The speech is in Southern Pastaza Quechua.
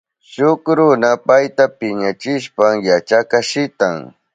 Shuk runa payta piñachishpan yachakka shitan.